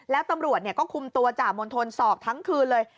แล้วตำรวจก็คุมตัวจ่ามณฑลสอบทั้งคืนเลย